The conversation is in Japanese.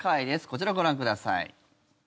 こちら、ご覧ください。